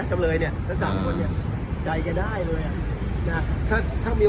จำเลยเนี่ยทั้งสามคนเนี่ยใจแกได้เลยอ่ะนะถ้าถ้ามี